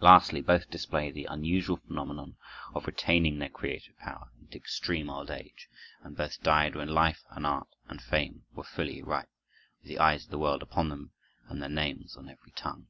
Lastly, both display the unusual phenomenon of retaining their creative power into extreme old age, and both died when life and art and fame were fully ripe, with the eyes of the world upon them and their names on every tongue.